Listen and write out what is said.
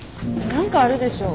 何かあるでしょ。